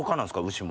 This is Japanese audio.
牛も。